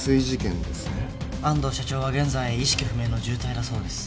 安藤社長は現在意識不明の重体だそうです。